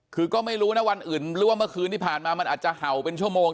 คือก็ไม่รู้นะวันอื่นหรือว่าเมื่อคืนที่ผ่านมามันอาจจะเห่าเป็นชั่วโมง